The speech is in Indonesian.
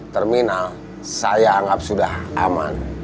terminal saya anggap sudah aman